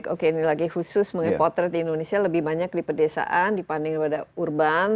oke ini lagi khusus mengenai potret di indonesia lebih banyak di pedesaan dibanding pada urban